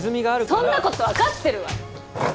そんなこと分かってるわよ！